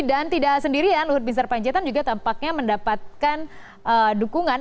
dan tidak sendirian luhut bin serpanjaitan juga tampaknya mendapatkan dukungan